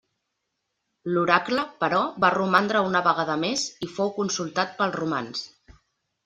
L'oracle però va romandre una vegada més i fou consultat pels romans.